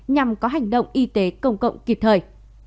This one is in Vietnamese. nhằm có hành động y tế công cộng kịp thời